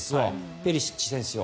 ペリシッチ選手を。